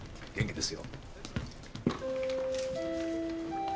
元気ですよ。